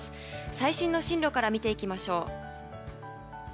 最新の進路から見ていきましょう。